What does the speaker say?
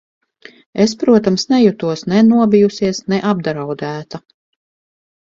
Es, protams, nejutos ne nobijusies, ne apdraudēta.